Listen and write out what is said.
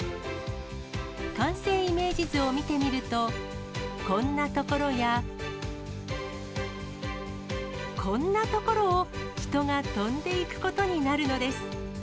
完成イメージ図を見てみると、こんな所や、こんな所を人が飛んでいくことになるのです。